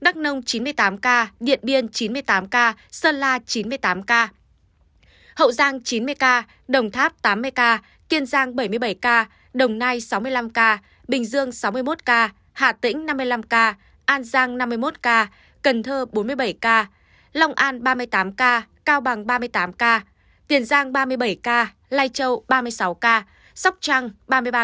đắk nông chín mươi tám ca điện biên chín mươi tám ca sơn la chín mươi tám ca hậu giang chín mươi ca đồng tháp tám mươi ca kiên giang bảy mươi bảy ca đồng nai sáu mươi năm ca bình dương sáu mươi một ca hạ tĩnh năm mươi năm ca an giang năm mươi một ca cần thơ bốn mươi bảy ca lòng an ba mươi tám ca cao bằng ba mươi tám ca tiền giang ba mươi bảy ca lai châu ba mươi sáu ca sóc trăng ba mươi ba ca ninh thuận hai mươi chín ca bắc cạn năm ca